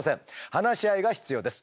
話し合いが必要です。